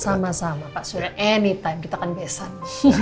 sama sama pak surya anytime kita kan besan